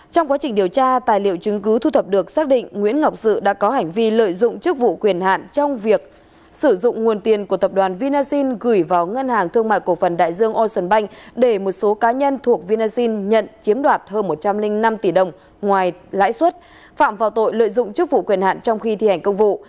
trong quá trình điều tra tài liệu chứng cứ thu thập được xác định nguyễn ngọc sự đã có hành vi lợi dụng chức vụ quyền hạn trong việc sử dụng nguồn tiền của tập đoàn vinasin gửi vào ngân hàng thương mại cổ phần đại dương ocean bank để một số cá nhân thuộc vinasin nhận chiếm đoạt hơn một trăm linh năm tỷ đồng ngoài lãi suất phạm vào tội lợi dụng chức vụ quyền hạn trong khi thi hành công vụ